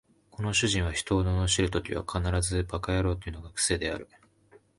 この主人は人を罵るときは必ず馬鹿野郎というのが癖である